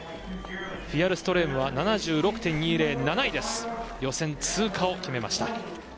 フィヤルストレームは７６．２０で７位、予選通過を決めました。